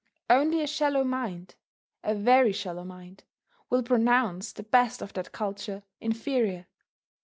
Only a shallow mind a very shallow mind will pronounce the best of that culture inferior.